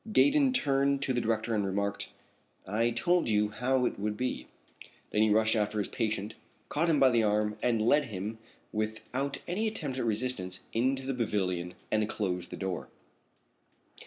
Gaydon turned to the director and remarked: "I told you how it would be." Then he rushed after his patient, caught him by the arm, and led him, without any attempt at resistance, into the pavilion and closed the door.